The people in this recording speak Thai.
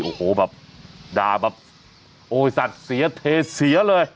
โอ้โหแบบด่าแบบโอ้ยสัตว์เสียเทเสียเลย